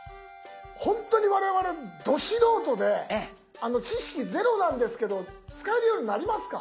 ほんとに我々ど素人で知識ゼロなんですけど使えるようになりますか？